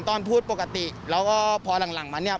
ตอนพูดปกติแล้วก็พอหลังมาเนี่ย